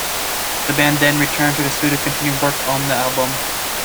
The band then returned to the studio to continue work on the album.